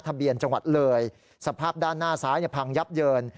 ทะเบียนจังหวัดเลยสภาพด้านหน้าซ้ายพังยับเยิน